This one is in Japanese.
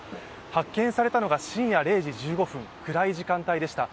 発見されたのが深夜０時１５分、暗い時間帯でした。